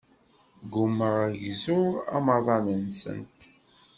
Ggummaɣ ad gzuɣ amaḍal-nsent.